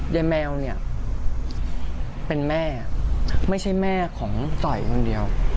แมวเนี่ยเป็นแม่ไม่ใช่แม่ของต่อยคนเดียว